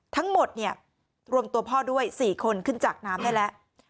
ทั้งหมดเนี่ยรวมตัวพ่อด้วย๔คนขึ้นจากน้ำได้แล้ว